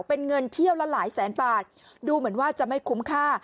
เป็นเงินเที่ยวละหลายแสนบาทดูเหมือนว่าจะไม่คุ้มค่า